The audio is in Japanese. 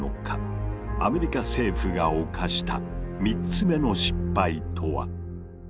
アメリカ政府が犯した３つ目の失敗とは？